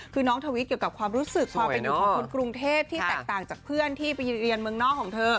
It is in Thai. คือน้องทวิตเกี่ยวกับความรู้สึกความเป็นอยู่ของคนกรุงเทพที่แตกต่างจากเพื่อนที่ไปเรียนเมืองนอกของเธอ